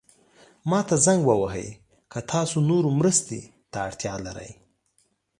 ما ته زنګ ووهئ که تاسو نورو مرستې ته اړتیا لرئ.